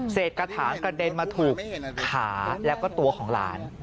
เสร็จกระถางกระเด็นมาถูกขาแล้วก็ตัวของหลาน